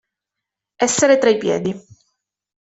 Essere tra i piedi.